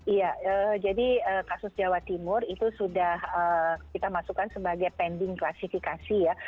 iya jadi kasus jawa timur itu sudah kita masukkan sebagai pending klasifikasi ya